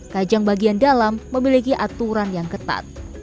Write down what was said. kajang bagian dalam memiliki aturan yang ketat